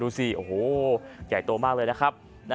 สิโอ้โหใหญ่โตมากเลยนะครับ